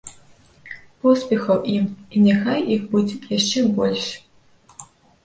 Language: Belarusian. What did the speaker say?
Поспехаў ім і няхай іх будзе яшчэ больш.